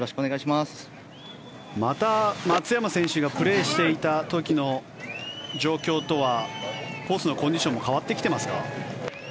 また松山選手がプレーしていた時の状況とはコースのコンディションも変わってきてますか？